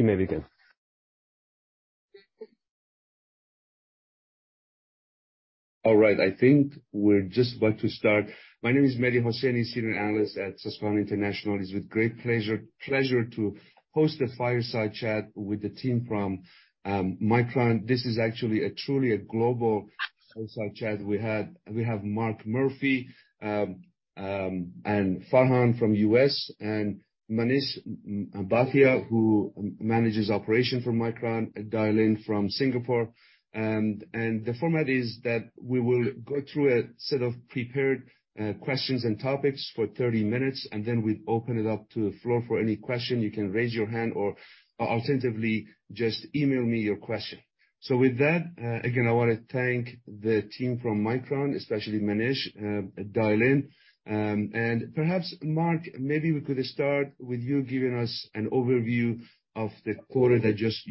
You may begin. All right. I think we're just about to start. My name is Mehdi Hosseini, senior analyst at Susquehanna International. It's with great pleasure to host this fireside chat with the team from Micron. This is actually a truly a global fireside chat. We have Mark Murphy and Farhan from U.S., and Manish Bhatia, who manages operation from Micron, dial in from Singapore. The format is that we will go through a set of prepared questions and topics for 30 minutes, then we open it up to the floor for any question. You can raise your hand or alternatively, just email me your question. With that, again, I wanna thank the team from Micron, especially Manish, dial in. Perhaps Mark, maybe we could start with you giving us an overview of the quarter that just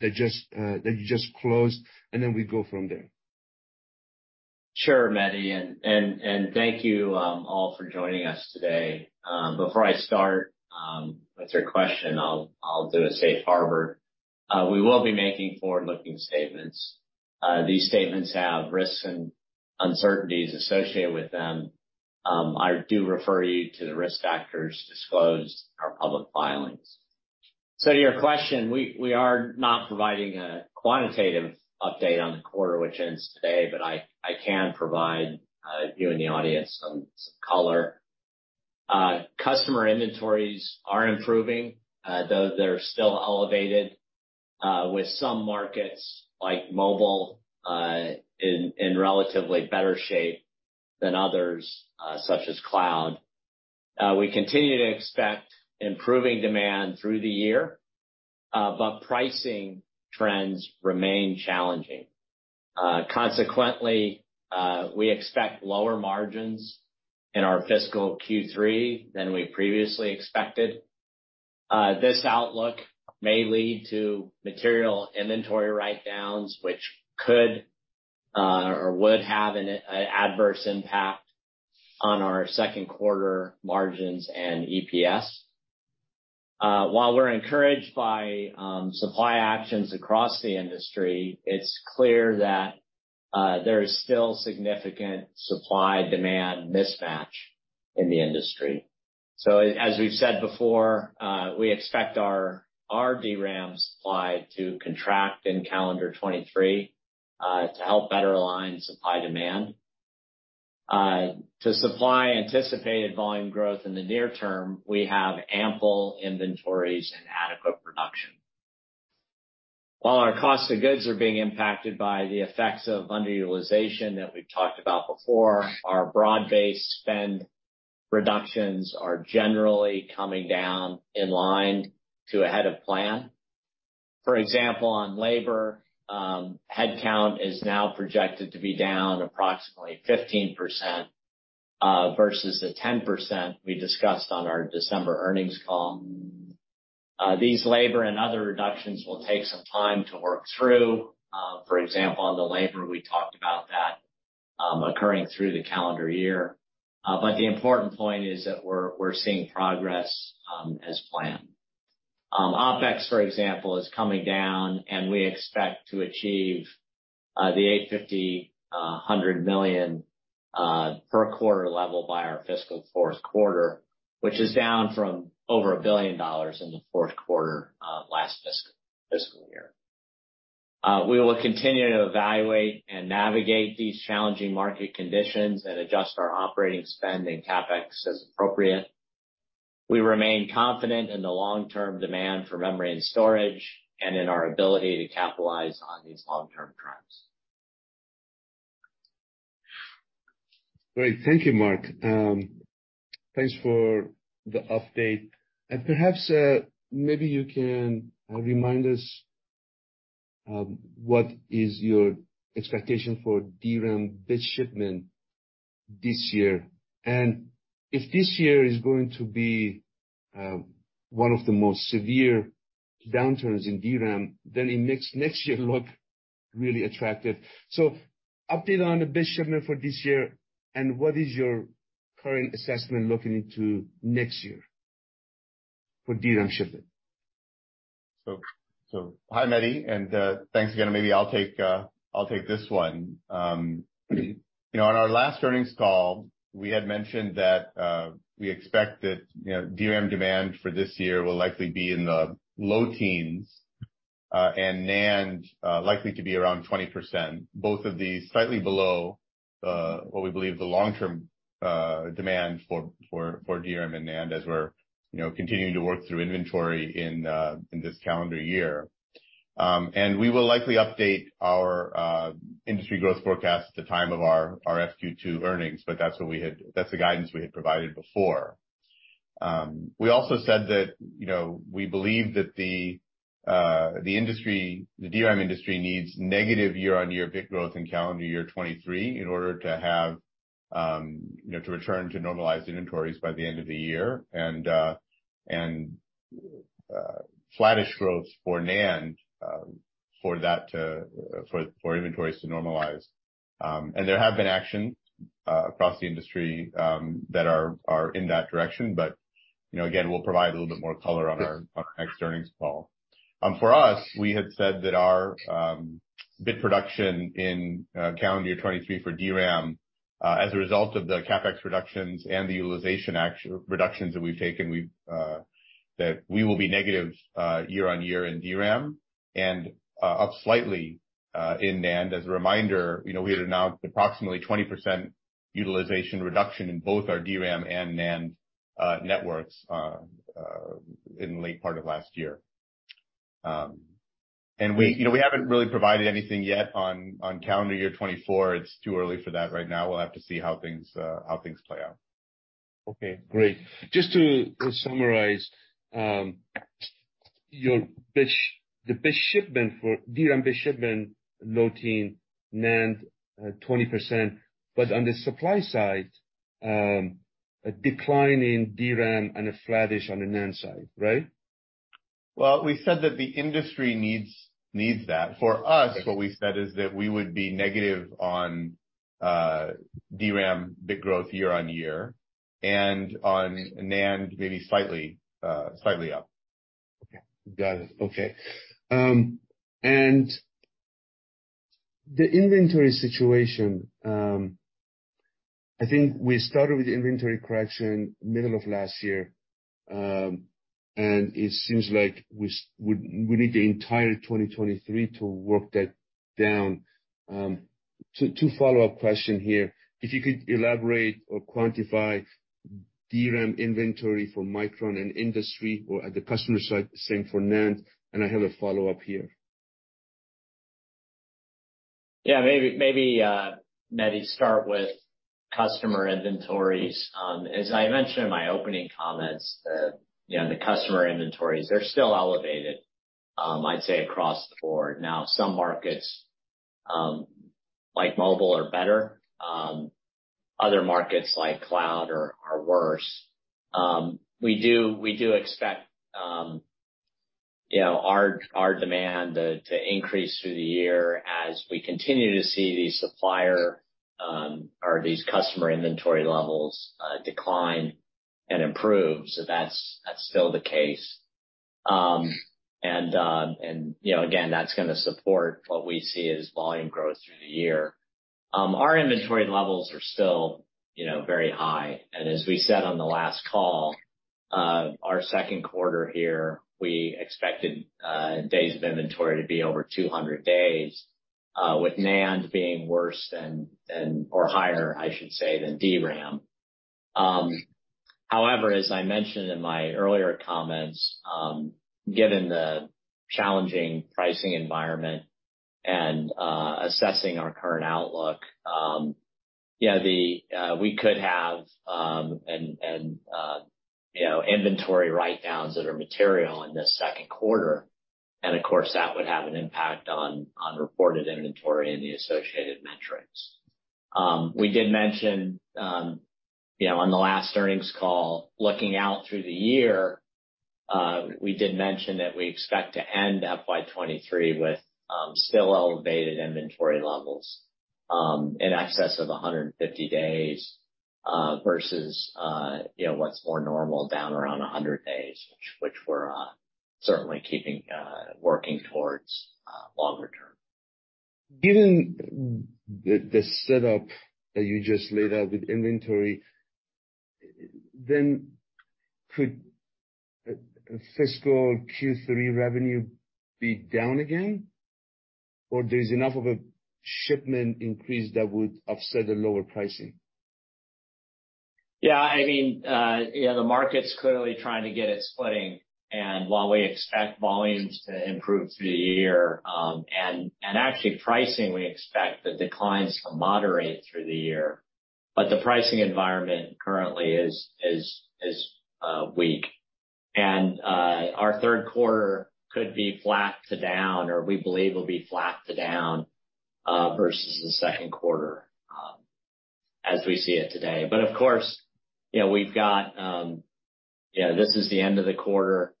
that you just closed, and then we go from there. Sure, Mehdi. Thank you all for joining us today. Before I start with your question, I'll do a safe harbor. We will be making forward-looking statements. These statements have risks and uncertainties associated with them. I do refer you to the risk factors disclosed in our public filings. To your question, we are not providing a quantitative update on the quarter, which ends today, but I can provide you and the audience some color. Customer inventories are improving, though they're still elevated, with some markets like mobile in relatively better shape than others, such as cloud. We continue to expect improving demand through the year, but pricing trends remain challenging. Consequently, we expect lower margins in our fiscal Q3 than we previously expected. This outlook may lead to material inventory write-downs, which could or would have an adverse impact on our second quarter margins and EPS. While we're encouraged by supply actions across the industry, it's clear that there is still significant supply-demand mismatch in the industry. As we've said before, we expect our DRAM supply to contract in calendar 2023 to help better align supply demand. To supply anticipated volume growth in the near term, we have ample inventories and adequate production. While our cost of goods are being impacted by the effects of underutilization that we've talked about before, our broad-based spend reductions are generally coming down in line to ahead of plan. For example, on labor, headcount is now projected to be down approximately 15%, versus the 10% we discussed on our December earnings call. These labor and other reductions will take some time to work through. For example, on the labor, we talked about that occurring through the calendar year. The important point is that we're seeing progress as planned. OpEx, for example, is coming down, and we expect to achieve the $800 million per quarter level by our fiscal fourth quarter, which is down from over $1 billion in the fourth quarter last fiscal year. We will continue to evaluate and navigate these challenging market conditions and adjust our operating spend and CapEx as appropriate. We remain confident in the long-term demand for memory and storage and in our ability to capitalize on these long-term trends. Great. Thank you, Mark. Thanks for the update. Perhaps, maybe you can remind us, what is your expectation for DRAM bit shipment this year? If this year is going to be one of the most severe downturns in DRAM, then in next year look really attractive. Update on the bit shipment for this year, and what is your current assessment looking into next year for DRAM shipment? Hi, Mehdi, and thanks again. Maybe I'll take this one. You know, on our last earnings call, we had mentioned that we expect that, you know, DRAM demand for this year will likely be in the low teens, and NAND likely to be around 20%, both of these slightly below what we believe the long-term demand for DRAM and NAND as we're, you know, continuing to work through inventory in this calendar year. We will likely update our industry growth forecast at the time of our [SQ 2] earnings, but that's the guidance we had provided before. We also said that, you know, we believe that the industry, the DRAM industry needs negative year-on-year bit growth in calendar year 2023 in order to have, you know, to return to normalized inventories by the end of the year and flattish growth for NAND for that to for inventories to normalize. There have been actions across the industry that are in that direction. You know, again, we'll provide a little bit more color on our next earnings call. For us, we had said that our bit production in calendar 2023 for DRAM, as a result of the CapEx reductions and the utilization reductions that we've taken, that we will be negative year-on-year in DRAM and up slightly in NAND. As a reminder, you know, we had announced approximately 20% utilization reduction in both our DRAM and NAND networks, in late part of last year. We, you know, we haven't really provided anything yet on calendar year 2024. It's too early for that right now. We'll have to see how things play out. Okay, great. Just to summarize, the bit shipment for DRAM, bit shipment loading NAND, 20%. On the supply side, a decline in DRAM and a flattish on the NAND side, right? Well, we said that the industry needs that. For us, what we said is that we would be negative on DRAM bit growth year-on-year, and on NAND, maybe slightly up. Okay. Got it. Okay. The inventory situation, I think we started with the inventory correction middle of last year. It seems like we need the entire 2023 to work that down. Two follow-up question here. If you could elaborate or quantify DRAM inventory for Micron and industry or at the customer side, same for NAND. I have a follow-up here. Yeah. Maybe, Mehdi, start with customer inventories. As I mentioned in my opening comments, you know, the customer inventories, they're still elevated, I'd say across the board. Now, some markets, like mobile are better, other markets like cloud are worse. We do expect, you know, our demand to increase through the year as we continue to see the supplier, or these customer inventory levels decline and improve. That's still the case. And you know, again, that's gonna support what we see as volume growth through the year. Our inventory levels are still, you know, very high. As we said on the last call, our second quarter here, we expected days of inventory to be over 200 days, with NAND being worse than or higher, I should say, than DRAM. However, as I mentioned in my earlier comments, given the challenging pricing environment and assessing our current outlook, we could have, and, you know, inventory write-downs that are material in this second quarter, and of course, that would have an impact on reported inventory and the associated metrics. We did mention, you know, on the last earnings call, looking out through the year, we did mention that we expect to end FY 2023 with still elevated inventory levels in excess of 150 days versus, you know, what's more normal down around 100 days, which we're certainly keeping working towards longer term. Given the setup that you just laid out with inventory, then could fiscal Q3 revenue be down again? Or there is enough of a shipment increase that would offset the lower pricing? Yeah, I mean, you know, the market's clearly trying to get its footing, and while we expect volumes to improve through the year, and actually pricing, we expect the declines to moderate through the year. The pricing environment currently is weak. Our third quarter could be flat to down, or we believe will be flat to down, versus the second quarter, as we see it today. Of course, you know, we've got, you know, this is the end of the quarter,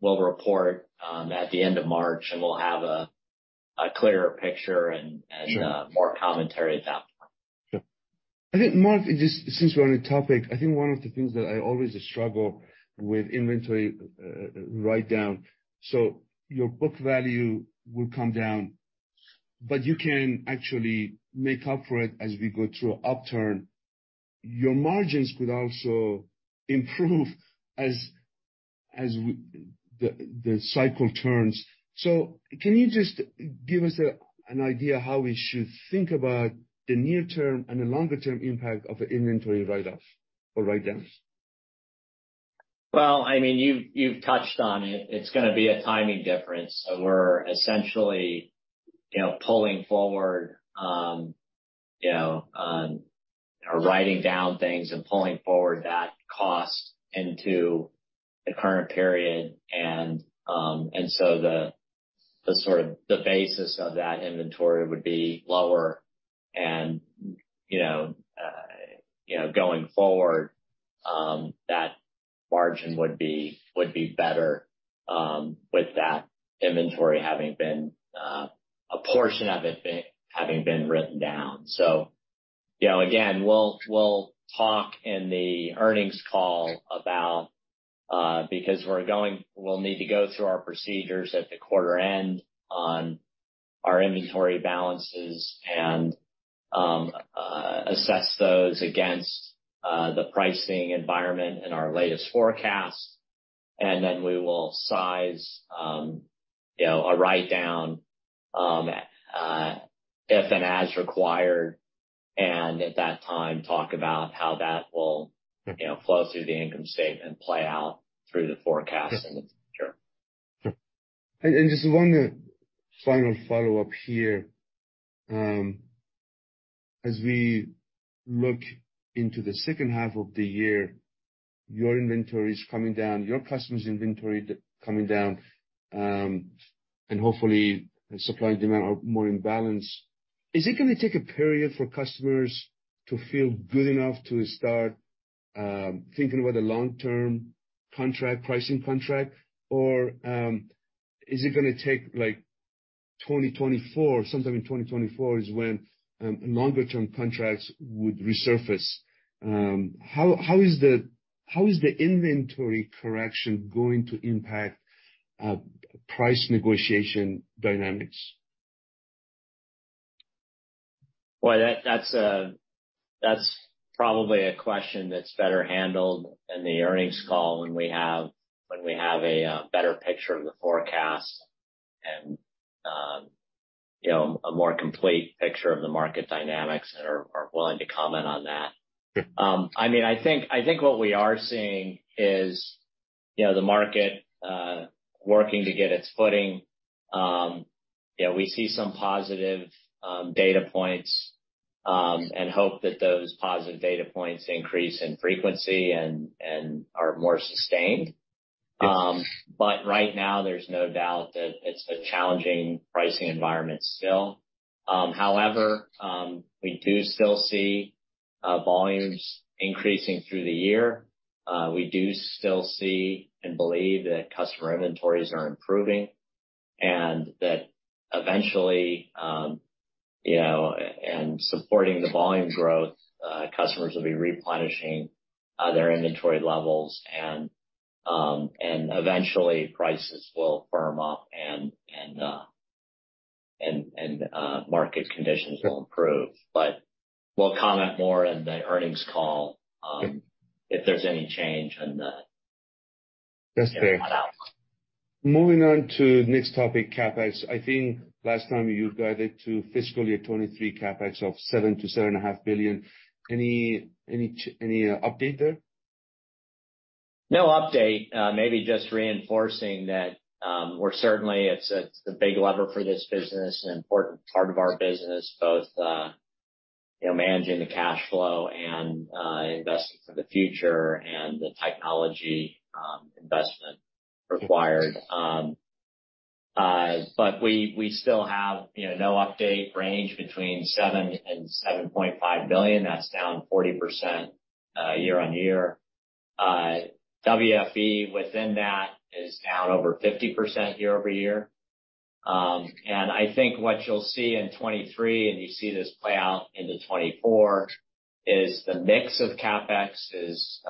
we'll report, at the end of March, and we'll have a clearer picture and more commentary at that point. Sure. I think, Mark, just since we're on the topic, I think one of the things that I always struggle with inventory, write-down. Your book value will come down, but you can actually make up for it as we go through upturn. Your margins could also improve as the cycle turns. Can you just give us a, an idea how we should think about the near term and the longer term impact of the inventory write-off or write-downs? Well, I mean, you've touched on it. It's gonna be a timing difference. We're essentially, you know, pulling forward, or writing down things and pulling forward that cost into the current period. The sort of the basis of that inventory would be lower and, you know, going forward, that margin would be, would be better, with that inventory having been a portion of it having been written down. You know, again, we'll talk in the earnings call about, because we'll need to go through our procedures at the quarter end on our inventory balances and assess those against the pricing environment in our latest forecast. We will size, you know, a write-down, if and as required, and at that time, talk about how that will, you know, flow through the income statement and play out through the forecast in the future. Sure. Just one final follow-up here. As we look into the second half of the year, your inventory is coming down, your customers' inventory coming down, and hopefully supply and demand are more in balance. Is it gonna take a period for customers to feel good enough to start thinking about a long-term contract, pricing contract? Is it gonna take, like, 2024, sometime in 2024 is when longer term contracts would resurface. How is the inventory correction going to impact price negotiation dynamics? Well, that's probably a question that's better handled in the earnings call when we have a better picture of the forecast and, you know, a more complete picture of the market dynamics and are willing to comment on that. Sure. I mean, I think what we are seeing is, you know, the market working to get its footing. You know, we see some positive data points and hope that those positive data points increase in frequency and are more sustained. Right now, there's no doubt that it's a challenging pricing environment still. However, we do still see volumes increasing through the year. We do still see and believe that customer inventories are improving, and that eventually, you know, and supporting the volume growth, customers will be replenishing their inventory levels, and eventually prices will firm up and market conditions will improve. We'll comment more in the earnings call... Sure.... If there's any change on that. That's fair. Moving on to next topic, CapEx. I think last time you guided to fiscal year 2023 CapEx of $7 billion-$7.5 billion. Any update there? No update. Maybe just reinforcing that, we're certainly it's a big lever for this business, an important part of our business, both, you know, managing the cash flow and, investing for the future and the technology, investment required. We still have, you know, no update range between $7 billion and $7.5 billion. That's down 40% year-over-year. WFE within that is down over 50% year-over-year. I think what you'll see in 2023, and you see this play out into 2024, is the mix of CapEx is,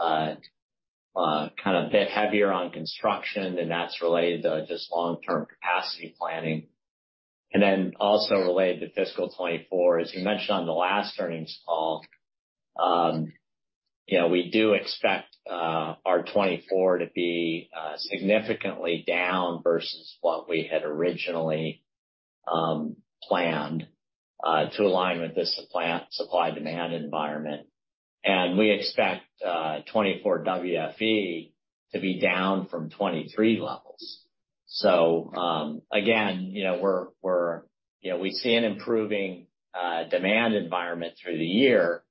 kind of a bit heavier on construction, and that's related to just long-term capacity planning. Also related to fiscal 2024, as you mentioned on the last earnings call, you know, we do expect our 2024 to be significantly down versus what we had originally planned to align with this supply demand environment. We expect 2024 WFE to be down from 2023 levels. Again, you know, we're, you know, we see an improving demand environment through the year,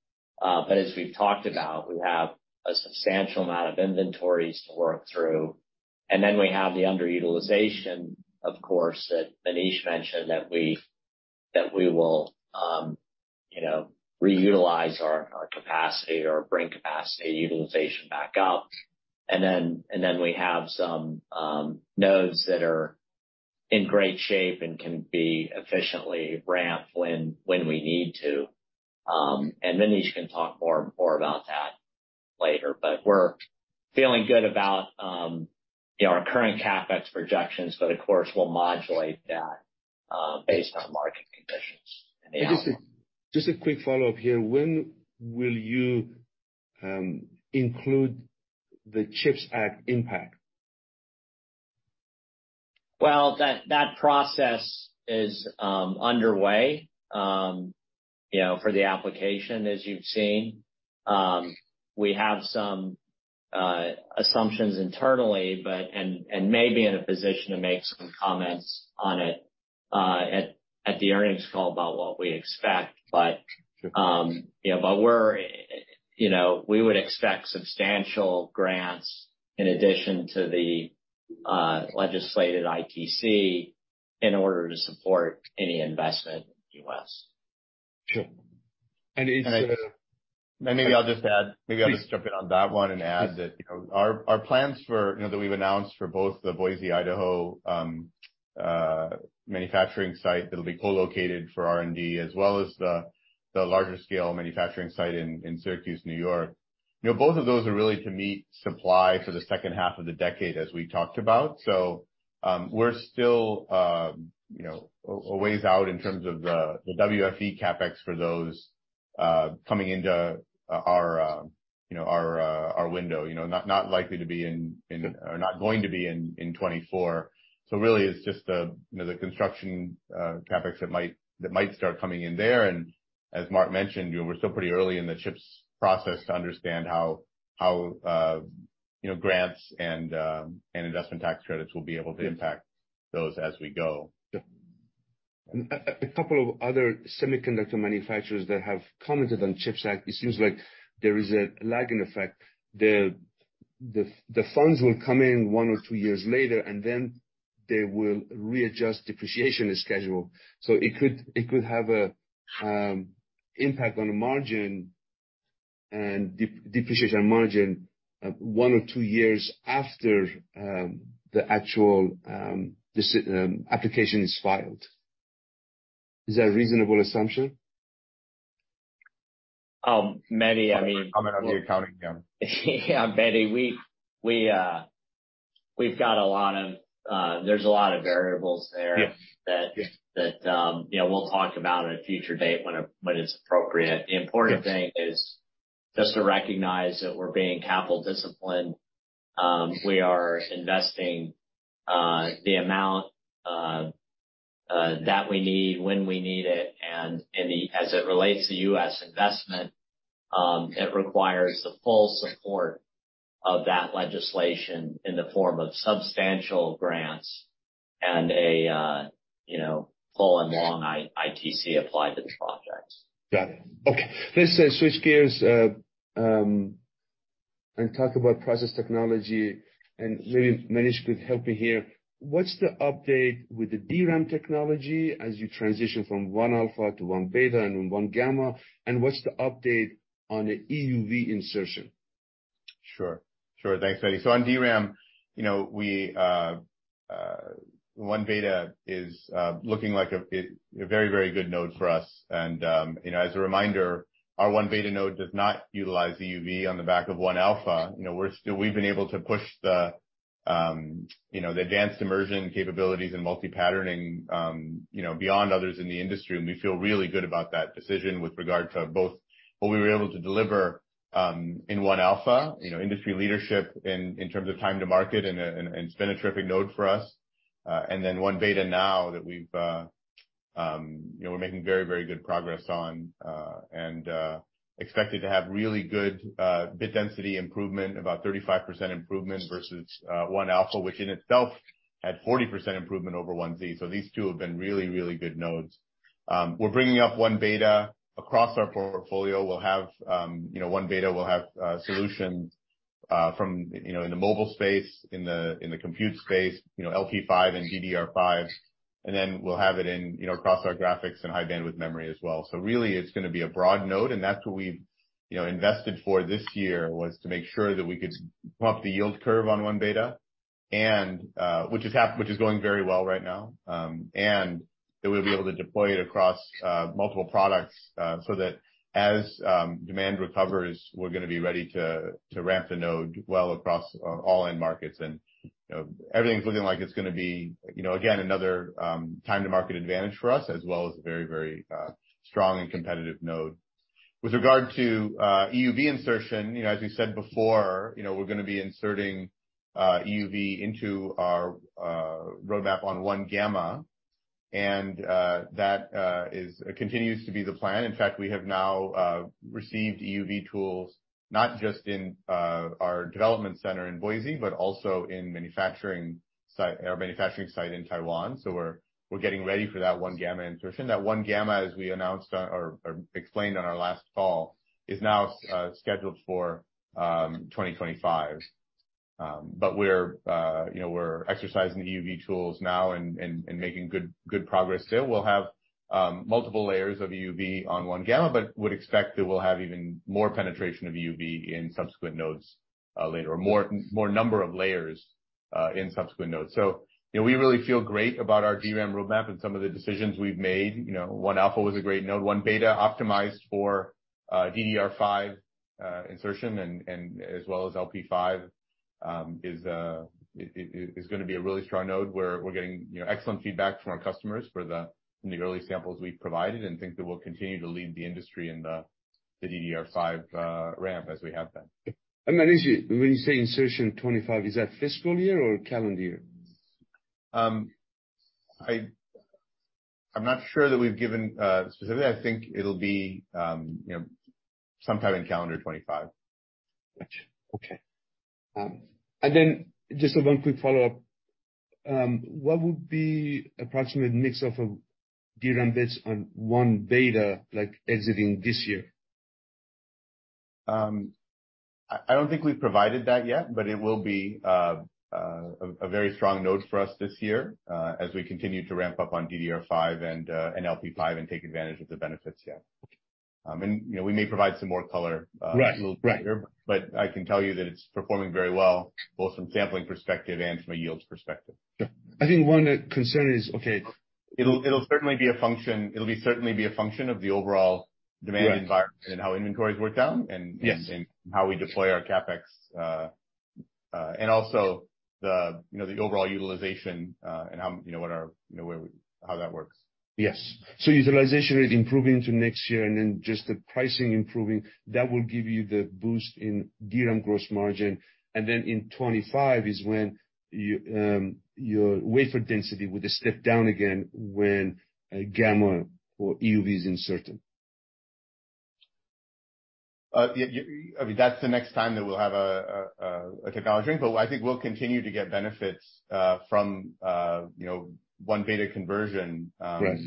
but as we've talked about, we have a substantial amount of inventories to work through. We have the underutilization, of course, that Manish mentioned that we will, you know, reutilize our capacity or bring capacity utilization back up. We have some nodes that are in great shape and can be efficiently ramped when we need to. Manish can talk more about that later. We're feeling good about, you know, our current CapEx projections, but of course, we'll modulate that, based on market conditions and. Just a quick follow-up here. When will you include the CHIPS Act impact? That process is underway, you know, for the application, as you've seen. We have some assumptions internally, but and may be in a position to make some comments on it, at the earnings call about what we expect. Sure. You know, we would expect substantial grants in addition to the legislated ITC. In order to support any investment in U.S. Sure. Is... Maybe I'll just add, maybe I'll just jump in on that one and add that, you know, our plans for, you know, that we've announced for both the Boise, Idaho, manufacturing site that'll be co-located for R&D, as well as the larger scale manufacturing site in Syracuse, New York. You know, both of those are really to meet supply for the second half of the decade as we talked about. We're still, you know, a ways out in terms of the WFE CapEx for those coming into our, you know, our window. You know, not likely to be or not going to be in 2024. Really it's just a, you know, the construction CapEx that might start coming in there. As Mark mentioned, you know, we're still pretty early in the CHIPS process to understand how, you know, grants and investment tax credits will be able to impact those as we go. A couple of other semiconductor manufacturers that have commented on CHIPS Act, it seems like there is a lag in effect. The funds will come in one or two years later, and then they will readjust depreciation schedule. It could have a impact on the margin and depreciation margin, one or two years after the actual application is filed. Is that a reasonable assumption? Mehdi. I'm gonna have the accounting. Yeah, Mehdi, we've got a lot of, there's a lot of variables there. Yeah. That, you know, we'll talk about at a future date when it's appropriate. The important thing is just to recognize that we're being capital disciplined. We are investing the amount that we need when we need it. As it relates to U.S. investment, it requires the full support of that legislation in the form of substantial grants and a, you know, full and long ITC applied to the projects. Got it. Okay. Let's switch gears and talk about process technology and maybe Manish could help me here. What's the update with the DRAM technology as you transition from 1-alpha to 1-beta and 1-gamma? What's the update on the EUV insertion? Sure. Sure. Thanks, Mehdi. On DRAM, you know, we, 1-beta is looking like a very, very good node for us. You know, as a reminder, our 1-beta node does not utilize EUV on the back of 1-alpha. You know, we've been able to push the, you know, the advanced immersion capabilities and multi-patterning, you know, beyond others in the industry. We feel really good about that decision with regard to both what we were able to deliver, in 1-alpha, you know, industry leadership in terms of time to market and it's been a terrific node for us. 1-beta now that we've, you know, we're making very, very good progress on, expected to have really good bit density improvement, about 35% improvement versus 1-alpha, which in itself had 40% improvement over 1z. These two have been really, really good nodes. We're bringing up 1-beta across our portfolio. We'll have, you know, 1-beta, we'll have solutions from, you know, in the mobile space, in the compute space, you know, LP5 and DDR5, and then we'll have it in, you know, across our graphics and high bandwidth memory as well. Really it's gonna be a broad node, and that's what we've, you know, invested for this year, was to make sure that we could bump the yield curve on 1-beta, which is going very well right now. That we'll be able to deploy it across multiple products so that as demand recovers, we're gonna be ready to ramp the node well across all end markets. You know, everything's looking like it's gonna be, you know, again, another time to market advantage for us as well as a very, very strong and competitive node. With regard to EUV insertion, you know, as you said before, you know, we're gonna be inserting EUV into our roadmap on 1-gamma, and that continues to be the plan. In fact, we have now received EUV tools, not just in our development center in Boise, but also in our manufacturing site in Taiwan. We're getting ready for that 1-gamma insertion. That 1-gamma, as we announced on or explained on our last call, is now scheduled for 2025. We're, you know, we're exercising the EUV tools now and making good progress there. We'll have multiple layers of EUV on 1-gamma, but would expect that we'll have even more penetration of EUV in subsequent nodes later, or more number of layers in subsequent nodes. You know, we really feel great about our DRAM roadmap and some of the decisions we've made. You know, 1-alpha was a great node, 1-beta optimized for DDR5 insertion and as well as LP5 is gonna be a really strong node. We're getting, you know, excellent feedback from our customers for the early samples we've provided and think that we'll continue to lead the industry in the DDR5 ramp as we have been. Manish, when you say insertion 2025, is that fiscal year or calendar year? I'm not sure that we've given, specifically. I think it'll be, you know, sometime in calendar 2025. Gotcha. Okay. Just one quick follow-up. What would be approximate mix of a DRAM based on 1-beta like exiting this year? I don't think we've provided that yet, but it will be a very strong node for us this year, as we continue to ramp up on DDR5 and LPDDR5 and take advantage of the benefits, yeah. You know, we may provide some more color... Right.... A little bit later, but I can tell you that it's performing very well, both from sampling perspective and from a yields perspective. Sure. I think one concern is... It'll certainly be a function of the overall demand environment... Right.... and how inventories work down and... Yes.... and how we deploy our CapEx. Also the, you know, the overall utilization, and how, you know, what our, you know, how that works. Yes. utilization is improving into next year, and then just the pricing improving, that will give you the boost in DRAM gross margin. And then in 2025 is when you, your wafer density would step down again when gamma or EUV is inserted. Yeah, I mean, that's the next time that we'll have a technology shrink. I think we'll continue to get benefits, from, you know, 1-beta conversion. Right....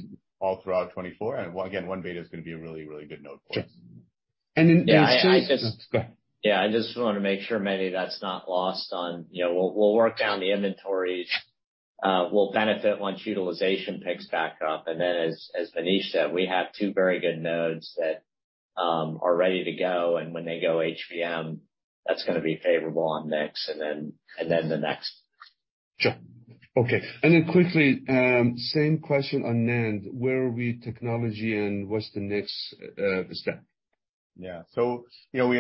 all throughout 2024. Again, 1-beta is gonna be a really, really good node for us. Sure. Go ahead. I just wanna make sure, Mehdi, that's not lost on. You know, we'll work down the inventories. We'll benefit once utilization picks back up. As Manish said, we have two very good nodes that are ready to go. When they go HVM, that's gonna be favorable on next and then the next. Sure. Okay. Quickly, same question on NAND. Where are we technology and what's the next step? Yeah. You know, we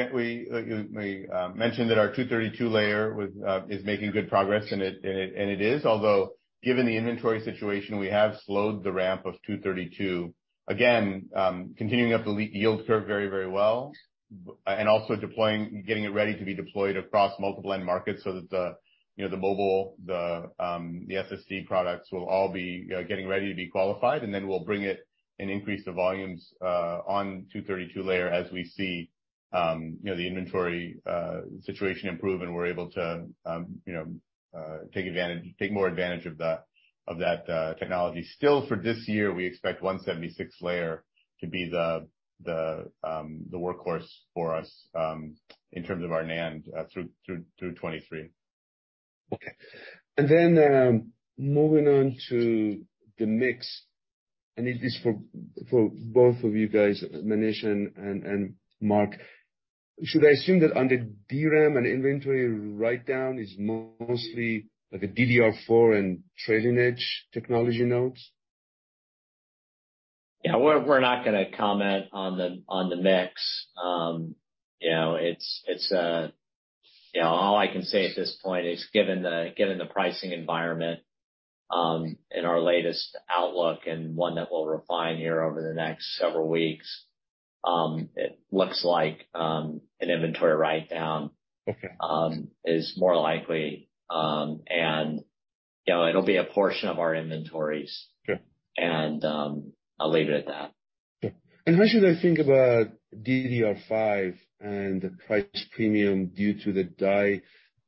mentioned that our 232-layer was making good progress, and it is. Although, given the inventory situation, we have slowed the ramp of 232. Again, continuing up the yield curve very, very well, and also deploying, getting it ready to be deployed across multiple end markets so that the, you know, the mobile, the SSD products will all be getting ready to be qualified. Then we'll bring it and increase the volumes on 232-layer as we see, you know, the inventory situation improve, and we're able to, you know, take more advantage of the, of that technology. Still, for this year, we expect 176-layer to be the workhorse for us, in terms of our NAND, through 2023. Okay. Moving on to the mix, and it is for both of you guys, Manish and Mark. Should I assume that under DRAM and inventory write-down is mostly like a DDR4 and trailing edge technology nodes? Yeah. We're not gonna comment on the mix. You know, it's, you know, all I can say at this point is, given the pricing environment, in our latest outlook and one that we'll refine here over the next several weeks, it looks like an inventory write-down. Okay.... is more likely. You know, it'll be a portion of our inventories. Sure. I'll leave it at that. Sure. How should I think about DDR5 and the price premium due to the die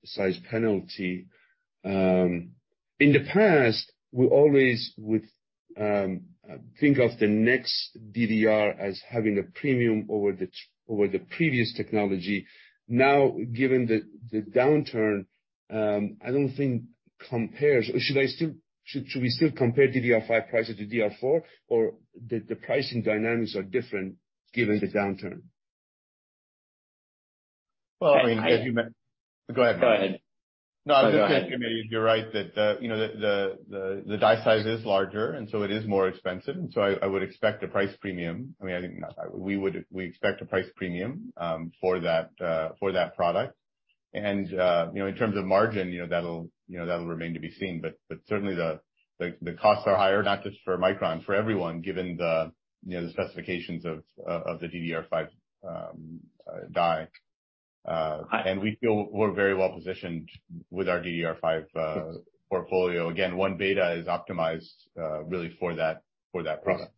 size penalty? In the past, we always would think of the next DDR as having a premium over the previous technology. Now, given the downturn, I don't think compares. Should we still compare DDR5 prices to DDR4? The pricing dynamics are different given the downturn? Well, I mean, as you. I- Go ahead. Go ahead. I was just gonna say, Mehdi, you're right that the die size is larger, and so it is more expensive. I would expect a price premium. I mean, I think, we expect a price premium for that product. In terms of margin, that'll remain to be seen. But certainly the costs are higher, not just for Micron, for everyone, given the specifications of the DDR5 die. We feel we're very well positioned with our DDR5 portfolio. Again, 1-beta is optimized really for that product.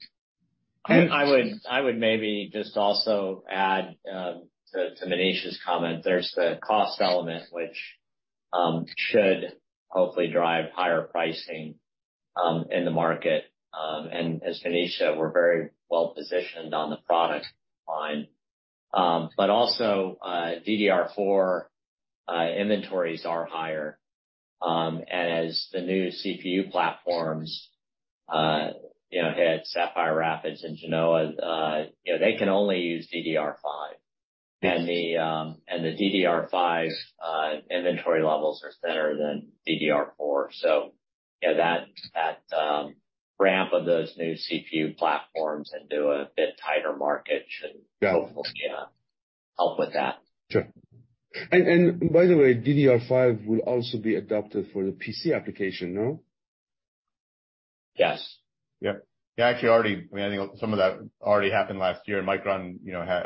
I would maybe just also add to Manish's comment, there's the cost element which should hopefully drive higher pricing in the market. As Manish said, we're very well positioned on the product line. Also DDR4 inventories are higher. As the new CPU platforms, you know, hit Sapphire Rapids and Genoa, you know, they can only use DDR5. The DDR5 inventory levels are thinner than DDR4. You know, that ramp of those new CPU platforms into a bit tighter market should... Yeah.... Hopefully, help with that. Sure. And by the way, DDR5 will also be adopted for the PC application, no? Yes. Yep. Yeah, actually already, I mean, I think some of that already happened last year, and I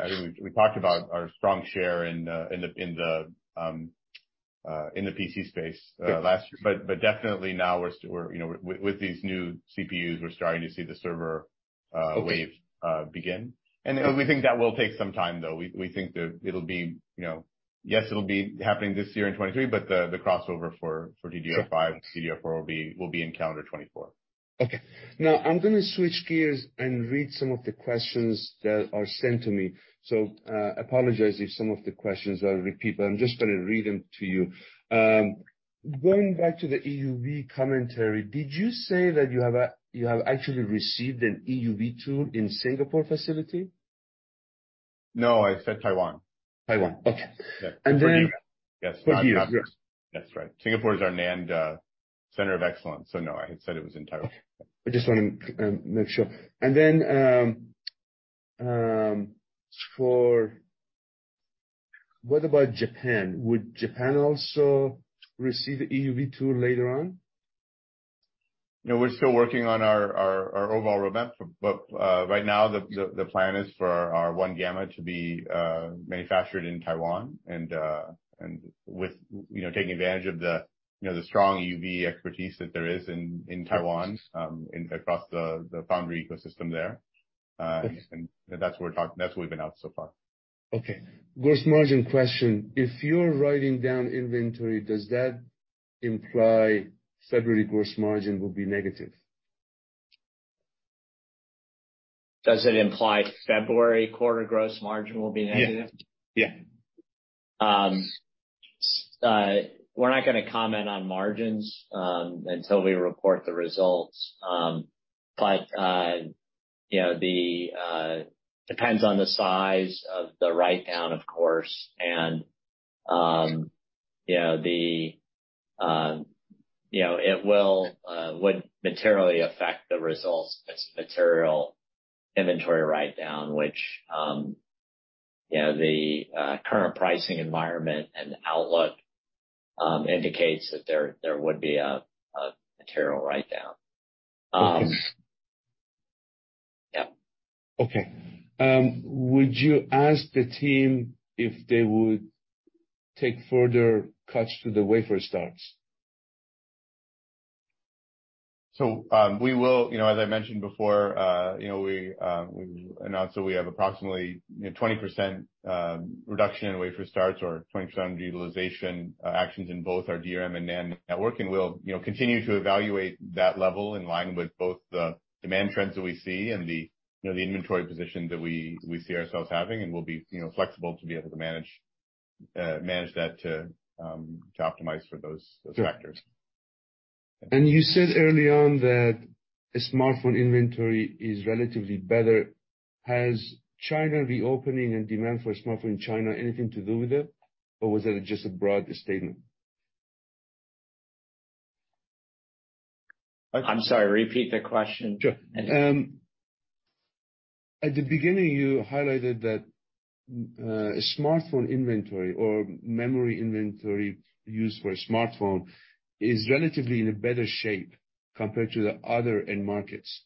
think we talked about our strong share in the PC space last year. Definitely now we're, you know, with these new CPUs, we're starting to see the server wave begin. We think that will take some time, though. We think that it'll be, you know... Yes, it'll be happening this year in 2023, the crossover for DDR5 to DDR4 will be in calendar 2024. Okay. Now I'm gonna switch gears and read some of the questions that are sent to me. Apologize if some of the questions are repeated. I'm just gonna read them to you. Going back to the EUV commentary, did you say that you have actually received an EUV tool in Singapore facility? No, I said Taiwan. Taiwan. Okay. Yeah. And then- Yes. For years, yes. That's right. Singapore is our NAND Center of Excellence, so no, I had said it was in Taiwan. I just wanna make sure. What about Japan? Would Japan also receive EUV tool later on? No, we're still working on our overall roadmap. Right now, the plan is for our 1-gamma to be manufactured in Taiwan and with, you know, taking advantage of the, you know, the strong EUV expertise that there is in Taiwan across the foundry ecosystem there. That's what we've announced so far. Okay. Gross margin question. If you're writing down inventory, does that imply February gross margin will be negative? Does it imply February quarter gross margin will be negative? Yeah. Yeah. We're not gonna comment on margins until we report the results. You know, the depends on the size of the write-down, of course, and, you know, it would materially affect the results as material inventory write-down, which, you know, the current pricing environment and outlook indicates that there would be a material write-down. Yeah. Okay. Would you ask the team if they would take further cuts to the wafer starts? We will. You know, as I mentioned before, you know, we announced that we have approximately, you know, 20% reduction in wafer starts or 20% utilization actions in both our DRAM and NAND network. We'll, you know, continue to evaluate that level in line with both the demand trends that we see and the, you know, the inventory position that we see ourselves having and we'll be, you know, flexible to be able to manage that to optimize for those factors. Sure. You said early on that smartphone inventory is relatively better. Has China reopening and demand for smartphone in China anything to do with it, or was it just a broad statement? I'm sorry, repeat the question. Sure. At the beginning, you highlighted that smartphone inventory or memory inventory used for a smartphone is relatively in a better shape compared to the other end markets.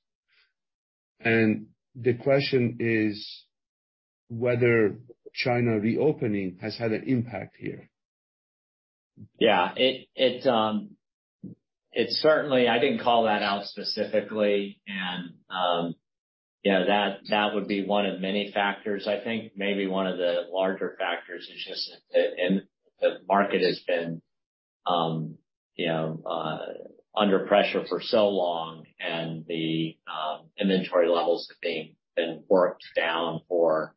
The question is whether China reopening has had an impact here. Yeah. It's certainly. I didn't call that out specifically and, you know, that would be one of many factors. I think maybe one of the larger factors is just the market has been, you know, under pressure for so long and the inventory levels have been worked down for,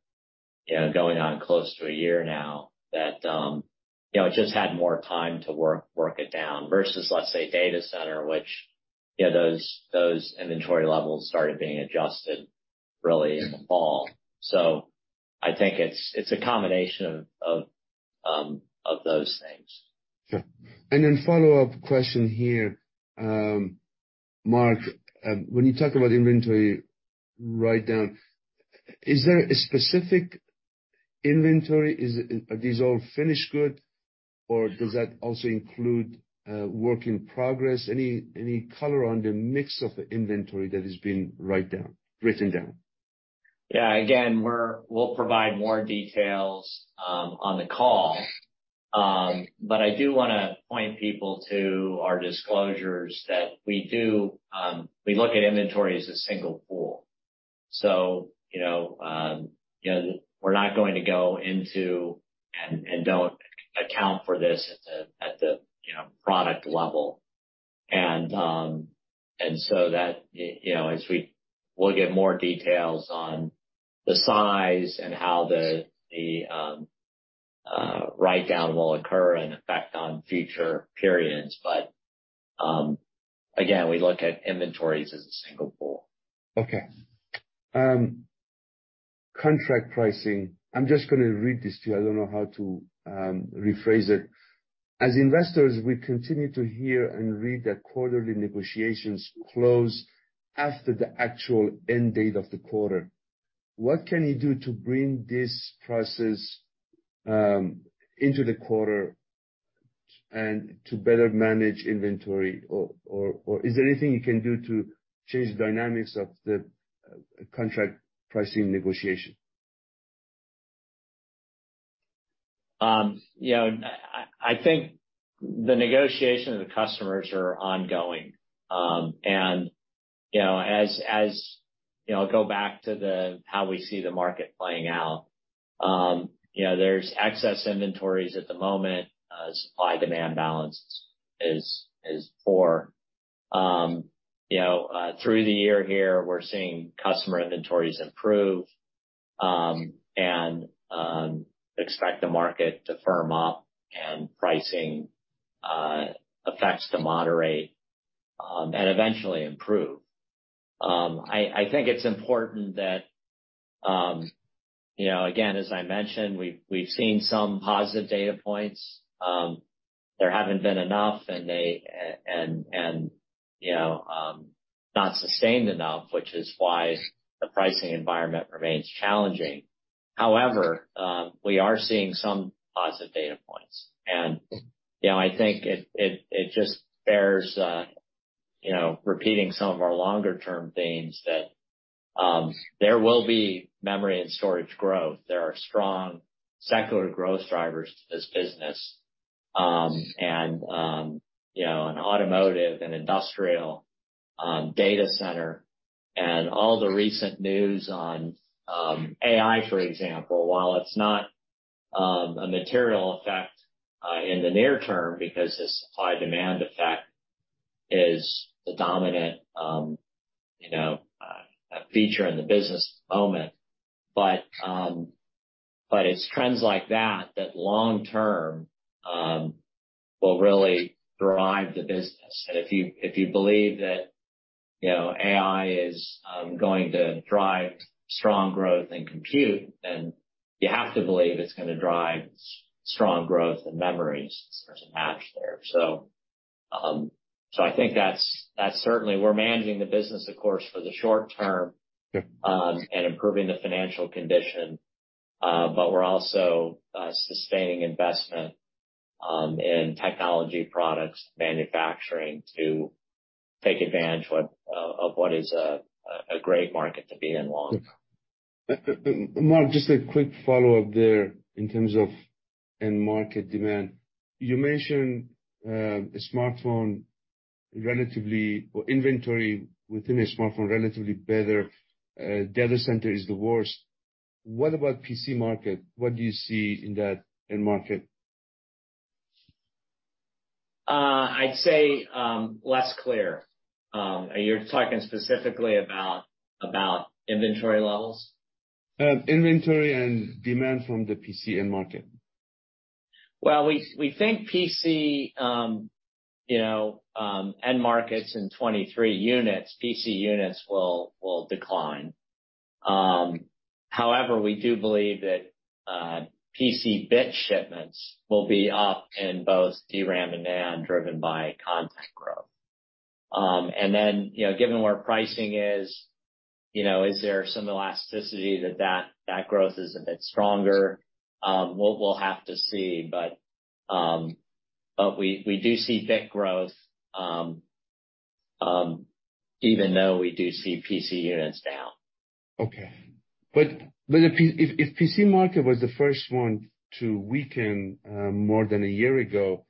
you know, going on close to a year now, that, you know, it just had more time to work it down versus, let's say, data center, which, you know, those inventory levels started being adjusted really in the fall. I think it's a combination of those things. Sure. Follow-up question here, Mark, when you talk about inventory write-down, is there a specific inventory? Are these all finished goods, or does that also include work in progress? Any color on the mix of the inventory that is being written down? Yeah. Again, we'll provide more details on the call. I do wanna point people to our disclosures that we do, we look at inventory as a single pool. You know, you know, we're not going to go into and don't account for this at the, you know, product level. That, you know, as we'll give more details on the size and how the write-down will occur and affect on future periods. Again, we look at inventories as a single pool. Okay. Contract pricing. I'm just gonna read this to you. I don't know how to rephrase it. As investors, we continue to hear and read that quarterly negotiations close after the actual end date of the quarter. What can you do to bring this process into the quarter and to better manage inventory or is there anything you can do to change the dynamics of the contract pricing negotiation? You know, I think the negotiation of the customers are ongoing. You know, as, you know, there's excess inventories at the moment. supply-demand balance is poor. You know, through the year here, we're seeing customer inventories improve, and expect the market to firm up and pricing effects to moderate, and eventually improve. I think it's important that, you know, again, as I mentioned, we've seen some positive data points. There haven't been enough and, you know, not sustained enough, which is why the pricing environment remains challenging. However, we are seeing some positive data points. You know, I think it just bears, you know, repeating some of our longer-term themes that there will be memory and storage growth. There are strong secular growth drivers to this business. You know, automotive and industrial, data center and all the recent news on AI, for example, while it's not a material effect in the near term because the supply-demand effect is the dominant, you know, feature in the business at the moment. It's trends like that that long term will really drive the business. If you believe that, you know, AI is going to drive strong growth in compute, then you have to believe it's gonna drive strong growth in memories. There's a match there. I think that's certainly... We're managing the business, of course, for the short term. Yeah. Improving the financial condition. We're also sustaining investment in technology products, manufacturing to take advantage what of what is a great market to be in long term. Mark, just a quick follow-up there in terms of end market demand. You mentioned, smartphone relatively or inventory within a smartphone, relatively better, data center is the worst. What about PC market? What do you see in that end market? I'd say, less clear. Are you talking specifically about inventory levels? Inventory and demand from the PC end market. Well, we think PC, you know, end markets in 2023 units, PC units will decline. However, we do believe that PC bit shipments will be up in both DRAM and NAND, driven by content growth. You know, given where pricing is, you know, is there some elasticity that growth is a bit stronger? We'll have to see. We do see bit growth even though we do see PC units down. Okay. If PC market was the first one to weaken, more than a year ago,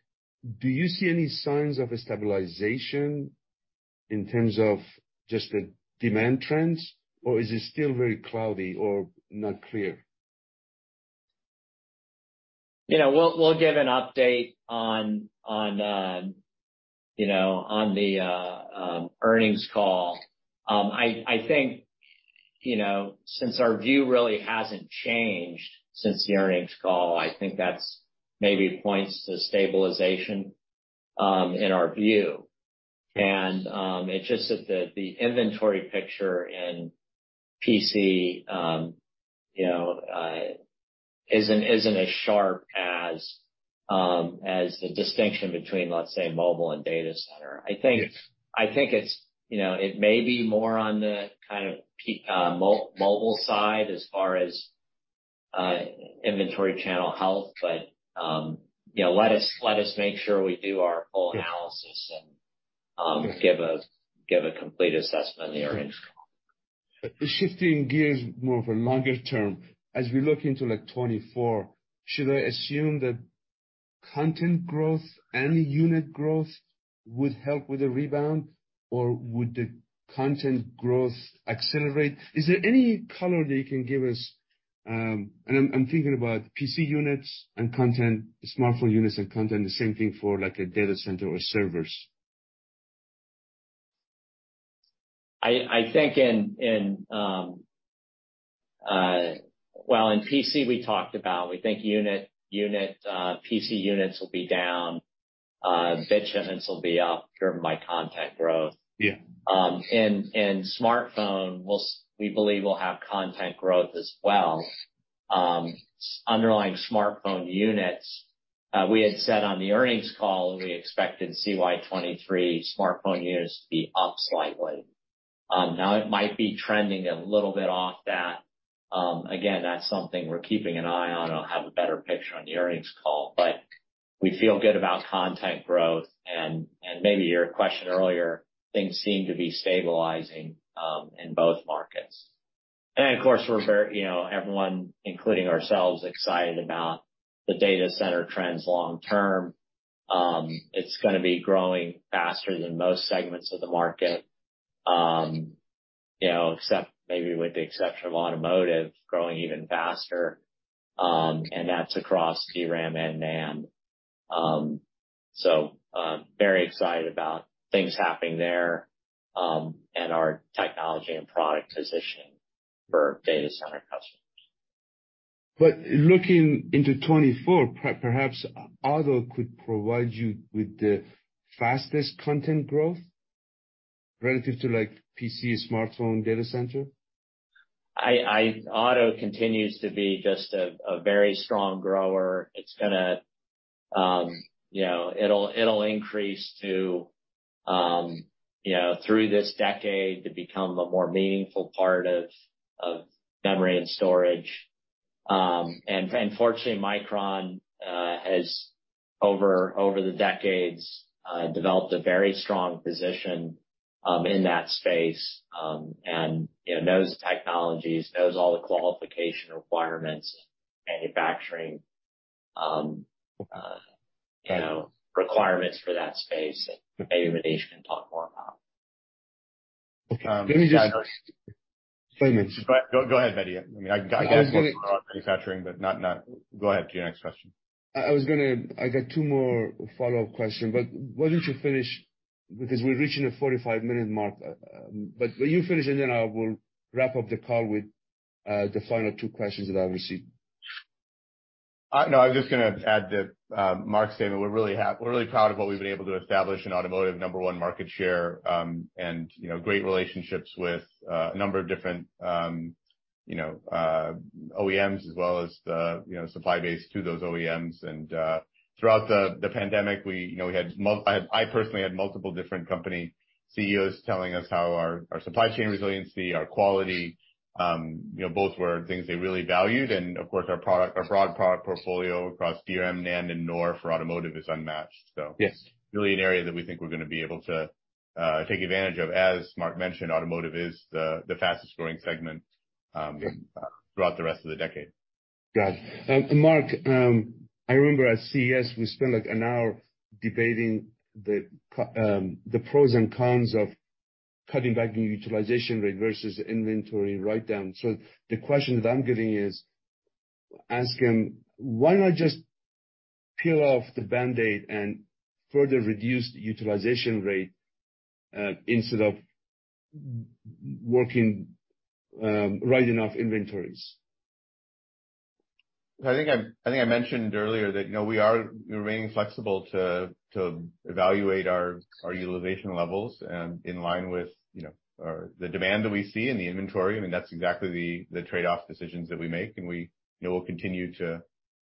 do you see any signs of a stabilization in terms of just the demand trends, or is it still very cloudy or not clear? You know, we'll give an update on, you know, on the earnings call. I think, you know, since our view really hasn't changed since the earnings call, I think that's maybe points to stabilization in our view. It's just that the inventory picture in PC, you know, isn't as sharp as the distinction between, let's say, mobile and data center. I think. Yeah. I think it's, you know, it may be more on the kind of mobile side as far as inventory channel health. You know, let us make sure we do our full analysis and give a complete assessment in the earnings call. Shifting gears more of a longer term. As we look into, like, 2024, should I assume that content growth and unit growth would help with the rebound, or would the content growth accelerate? Is there any color that you can give us? I'm thinking about PC units and content, smartphone units and content, the same thing for, like, a data center or servers. I think in PC we talked about, we think unit PC units will be down. Bit shipments will be up, driven by content growth. Yeah. Smartphone will we believe will have content growth as well. Underlying smartphone units, we had said on the earnings call, we expected CY 2023 smartphone units to be up slightly. Now it might be trending a little bit off that. Again, that's something we're keeping an eye on and I'll have a better picture on the earnings call. We feel good about content growth and maybe your question earlier, things seem to be stabilizing in both markets. Of course, we're very, you know, everyone, including ourselves, excited about the data center trends long term. It's gonna be growing faster than most segments of the market. You know, except maybe with the exception of automotive growing even faster, and that's across DRAM and NAND. Very excited about things happening there, and our technology and product positioning for data center customers. Looking into 2024, perhaps auto could provide you with the fastest content growth relative to like PC, smartphone, data center. Auto continues to be just a very strong grower. It's gonna, you know, it'll increase to, you know, through this decade to become a more meaningful part of memory and storage. Fortunately, Micron has over the decades developed a very strong position in that space, and, you know, knows the technologies, knows all the qualification requirements, manufacturing, you know, requirements for that space, and maybe Manish can talk more about. Okay. Yeah. Finish. Go ahead, Mehdi. I mean, I guess manufacturing, but not... Go ahead to your next question. I was gonna... I got two more follow-up question. Why don't you finish because we're reaching the 45 minute mark? Will you finish, and then I will wrap up the call with the final two questions that I received. No, I was just gonna add to Mark's statement. We're really proud of what we've been able to establish in automotive, number one market share, and, you know, great relationships with a number of different, you know, OEMs as well as the, you know, supply base to those OEMs. Throughout the pandemic, we, you know, I personally had multiple different company CEOs telling us how our supply chain resiliency, our quality, you know, both were things they really valued. Of course, our product, our broad product portfolio across DRAM, NAND, and NOR for automotive is unmatched. Yes. Really an area that we think we're gonna be able to take advantage of. As Mark mentioned, automotive is the fastest growing segment throughout the rest of the decade. Got it. Mark, I remember at CES, we spent like an hour debating the pros and cons of cutting back the utilization rate versus inventory write-down. The question that I'm getting is asking, why not just peel off the Band-Aid and further reduce the utilization rate, instead of writing off inventories? I think I mentioned earlier that, you know, we are remaining flexible to evaluate our utilization levels in line with, you know, the demand that we see in the inventory. I mean, that's exactly the trade-off decisions that we make. We, you know, will continue to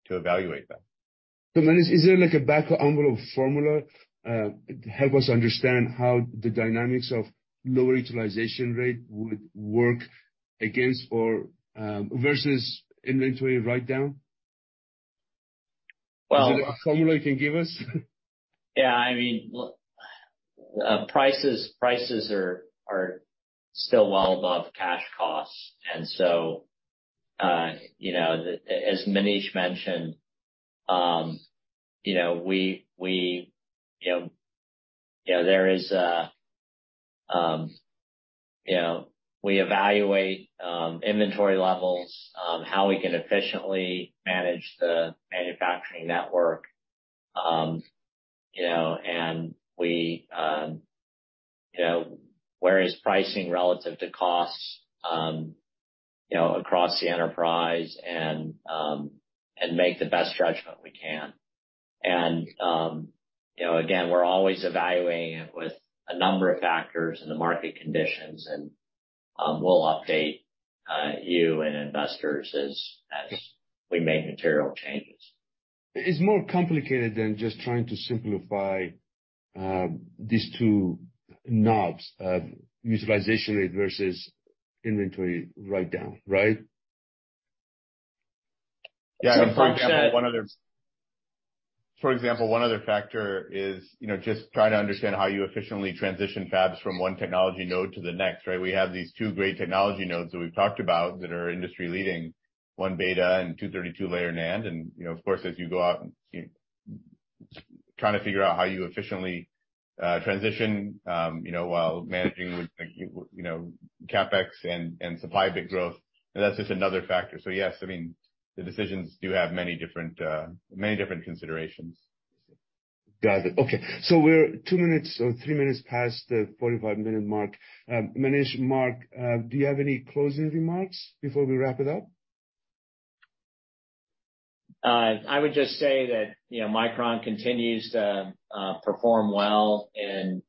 evaluate them. Manish, is there like a back envelope formula to help us understand how the dynamics of lower utilization rate would work against or versus inventory write-down? Well- Is there a formula you can give us? Yeah, I mean, look, prices are still well above cash costs. You know, as Manish mentioned, you know, we, you know, there is a, you know, we evaluate inventory levels, how we can efficiently manage the manufacturing network. You know, we, you know, where is pricing relative to costs, you know, across the enterprise and make the best judgment we can. You know, again, we're always evaluating it with a number of factors in the market conditions, we'll update you and investors as we make material changes. It's more complicated than just trying to simplify, these two knobs of utilization rate versus inventory write-down, right? Yeah. For example, one other factor is, you know, just trying to understand how you efficiently transition fabs from one technology node to the next, right? We have these two great technology nodes that we've talked about that are industry-leading, 1-beta and 232-layer NAND. You know, of course, as you go out and you trying to figure out how you efficiently transition, you know, while managing with, you know, CapEx and supply big growth. That's just another factor. Yes, I mean, the decisions do have many different, many different considerations. Got it. Okay. We're two minutes or three minutes past the 45-minute mark. Manish, Mark, do you have any closing remarks before we wrap it up? I would just say that, you know, Micron continues to perform well in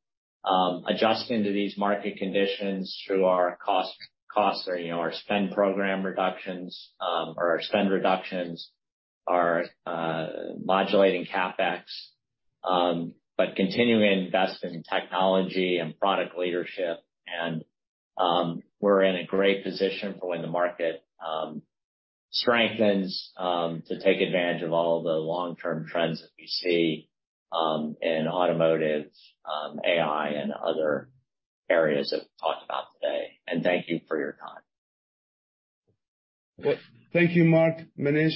adjusting to these market conditions through our cost or, you know, our spend program reductions, or our spend reductions, our modulating CapEx. But continuing to invest in technology and product leadership. We're in a great position for when the market strengthens to take advantage of all the long-term trends that we see, in automotive, AI and other areas that we talked about today. Thank you for your time. Thank you, Mark, Manish,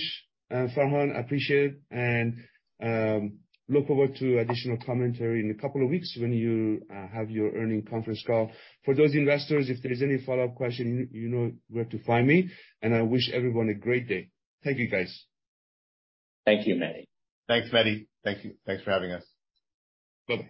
and Farhan. I appreciate it, and look forward to additional commentary in a couple of weeks when you have your earnings conference call. For those investors, if there's any follow-up question, you know where to find me, and I wish everyone a great day. Thank you, guys. Thank you, Mehdi. Thanks, Mehdi. Thank you. Thanks for having us. Bye.